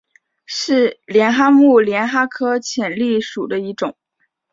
是帘蛤目帘蛤科浅蜊属的一种。